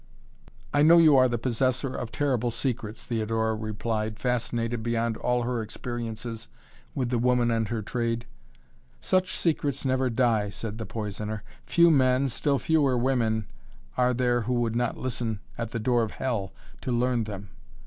"I know you are the possessor of terrible secrets," Theodora replied, fascinated beyond all her experiences with the woman and her trade. "Such secrets never die," said the poisoner. "Few men, still fewer women, are there who would not listen at the door of Hell to learn them.